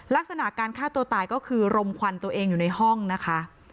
ลักษณะการฆ่าตัวตายก็คือรมควันตัวเองอยู่ในห้องนะคะ